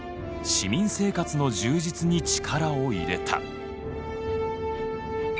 市民生活の充実に力を入れた。